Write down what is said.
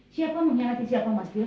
siapa mengkhianati siapa mas firl